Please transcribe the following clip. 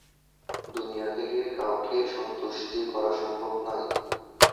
দুনিয়াতে কাউকে সুন্তুষ্টি করা সম্ভব নয়।